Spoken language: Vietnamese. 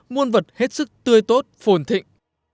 muôn vật hết sức tươi tốt phồn thịnh